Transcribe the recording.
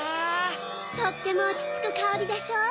とってもおちつくかおりでしょう。